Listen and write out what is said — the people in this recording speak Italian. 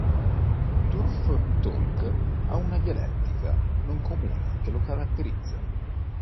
Turf Talk ha una dialettica non comune che lo caratterizza.